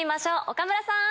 岡村さん。